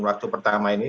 waktu pertama ini